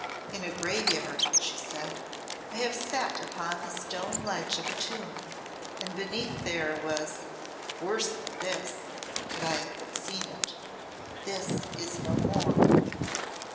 "In a graveyard," she said, "I have sat upon the stone ledge of a tomb, and beneath there was worse than this, could I but have seen it. This is no more."